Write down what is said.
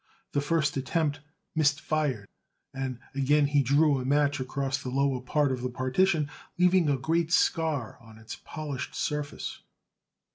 The first attempt missed fire, and again he drew a match across the lower part of the partition, leaving a great scar on its polished surface.